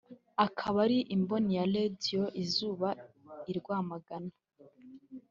akaba ari imboni ya Radio Izuba i Rwamagana